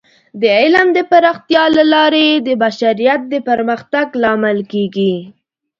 د علم د پراختیا له لارې د بشریت د پرمختګ لامل کیږي.